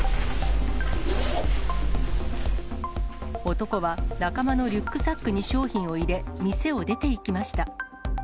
男は仲間のリュックサックに商品を入れ、店を出ていきました。